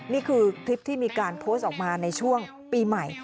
นี่คือคลิปที่มีการโพสต์ออกมาในช่วงปีใหม่